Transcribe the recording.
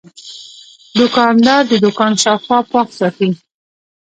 دوکاندار د دوکان شاوخوا پاک ساتي.